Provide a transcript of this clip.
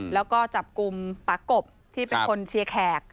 แล้วก็จับกลุ่มปากบที่เป็นคนเชียร์แขก